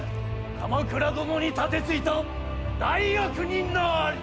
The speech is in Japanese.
鎌倉殿に盾ついた大悪人なり！